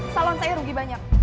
saluran saya rugi banyak